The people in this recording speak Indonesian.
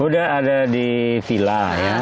udah ada di villa ya